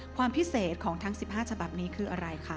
ความพิเศษของทั้ง๑๕ฉบับนี้คืออะไรคะ